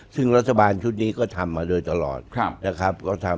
ซึ่งรัฐบาลชุดนี้ก็ทำมาโดยตลอดนะครับ